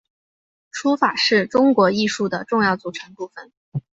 书法是中国艺术的重要组成部份。